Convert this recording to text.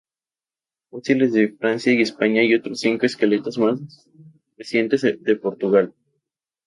Fósiles de Francia y España y otros cinco esqueletos más recientes de Portugal.